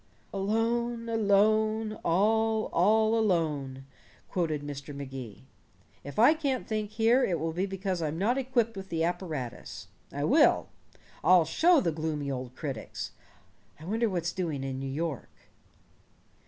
"Alone, alone, all, all alone," quoted Mr. Magee. "If I can't think here it will be because I'm not equipped with the apparatus. I will. I'll show the gloomy old critics! I wonder what's doing in New York?"